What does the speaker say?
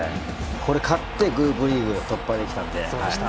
これに勝ってグループリーグを突破できたので。